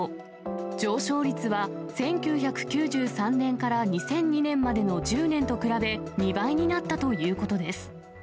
上昇率は１９９３年から２００２年までの１０年と比べ、２倍になったということです。